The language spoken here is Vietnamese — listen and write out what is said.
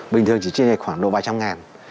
bình thường chỉ trinh lệch khoảng độ ba trăm linh ngàn